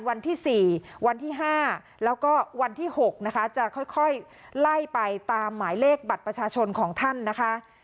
วันที่๔วันที่๕แล้วก็วันที่๖นะคะจะค่อยไล่ไปตามหมายเลขบัตรประชาชนของท่านนะคะ